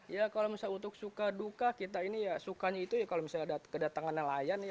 ya kalau misalnya untuk suka duka kita ini ya sukanya itu ya kalau misalnya ada kedatangan nelayan ya